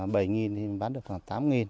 mình bán được khoảng tám